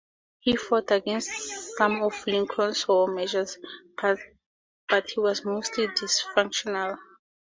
He fought against some of Lincoln's war measures, but he was mostly dysfunctional.